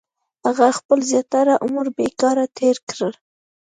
• هغه خپل زیاتره عمر بېکاره تېر کړ.